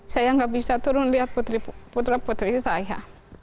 saya nggak bisa turun lihat putra putri saya